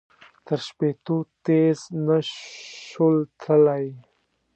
تر شپېتو تېز نه شول تللای.